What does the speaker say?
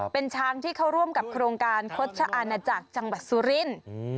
เป็นช้างที่เข้าร่วมกับโครงการคดชะอาณาจักรจังหวัดสุรินทร์